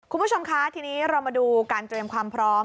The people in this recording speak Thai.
คุณผู้ชมคะทีนี้เรามาดูการเตรียมความพร้อม